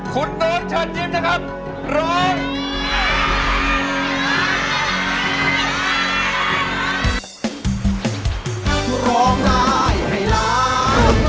คุณโดยเชิญยิ้มนะครับ